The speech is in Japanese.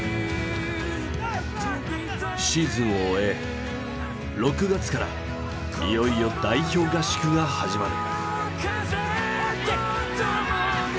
シーズンを終え６月からいよいよ代表合宿が始まる。